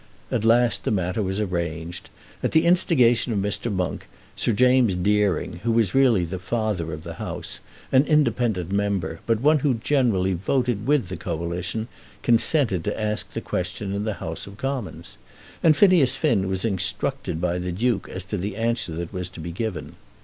At last the matter was arranged. At the instigation of Mr. Monk, Sir James Deering, who was really the father of the House, an independent member, but one who generally voted with the Coalition, consented to ask the question in the House of Commons. And Phineas Finn was instructed by the Duke as to the answer that was to be given.